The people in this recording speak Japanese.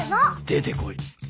出てこい。